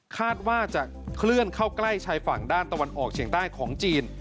คาดว่าจะเคลื่อนเข้าใกล้ชายฝั่งด้านตะวันออกเฉียงใต้ของจีน